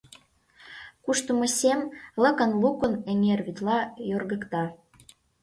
Куштымо сем лыкын-лукын эҥер вӱдла йоргыкта.